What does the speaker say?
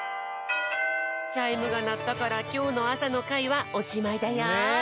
チャイムがなったからきょうのあさのかいはおしまいだよ。